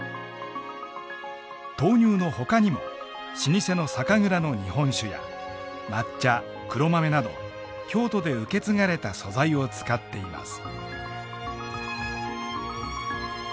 豆乳のほかにも老舗の酒蔵の日本酒や抹茶黒豆など京都で受け継がれた素材を使っています。